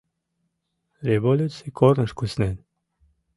Революций корныш куснен.